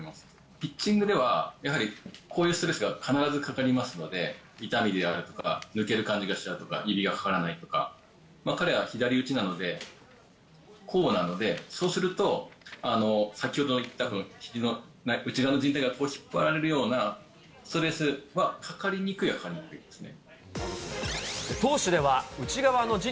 ピッチングではやはりこういうストレスが必ずかかりますので、痛みであるとか、抜ける感じがするとか、指がかからないとか、彼は左打ちなので、こうなので、そうすると、先ほど言った内側のじん帯がこう、引っ張られるようなストレスはかかりにくいはかかりにくいですね。